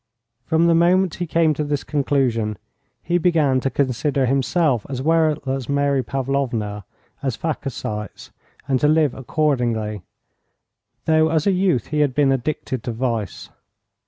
From the moment he came to this conclusion he began to consider himself as well as Mary Pavlovna as phacocytes, and to live accordingly, though as a youth he had been addicted to vice.